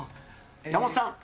山本さん。